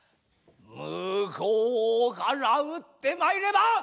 むこうから打ってまいれば！